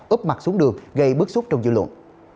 ướp mặt xuống đường gây bức xúc trong dự luận